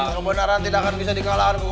kebenaran tidak akan bisa dikalahkan